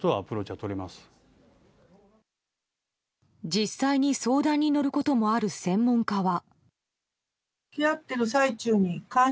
実際に相談に乗ることもある専門家は。